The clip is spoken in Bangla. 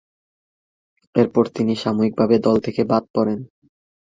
এরপর তিনি সাময়িকভাবে দল থেকে বাদ পড়েন।